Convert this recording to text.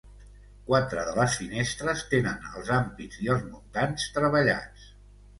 Quatre de les finestres tenen els ampits i els muntants treballats.